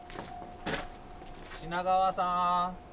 品川さん。